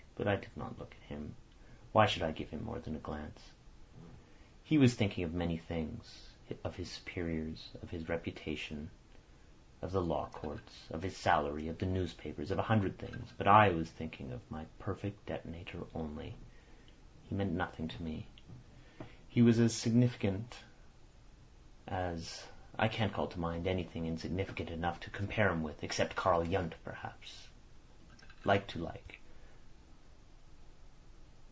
But I did not look at him. Why should I give him more than a glance? He was thinking of many things—of his superiors, of his reputation, of the law courts, of his salary, of newspapers—of a hundred things. But I was thinking of my perfect detonator only. He meant nothing to me. He was as insignificant as—I can't call to mind anything insignificant enough to compare him with—except Karl Yundt perhaps. Like to like.